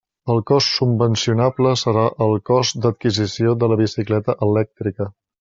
El cost subvencionable serà el cost d'adquisició de la bicicleta elèctrica.